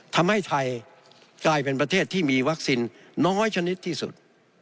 ทำให้ไทยกลายเป็นประเทศที่มีวัคซีนน้อยชนิดที่สุด